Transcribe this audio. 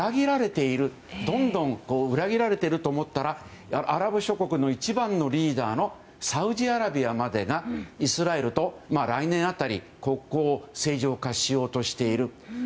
どんどん裏切られていると思ったらアラブ諸国の一番のリーダーのサウジアラビアまでがイスラエルと来年辺り国交正常化しようとしている。